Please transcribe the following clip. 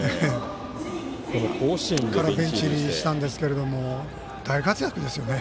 甲子園からベンチ入りしたんですが大活躍ですよね。